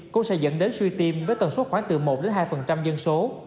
cũng sẽ dẫn đến suy tim với tần suất khoảng từ một hai dân số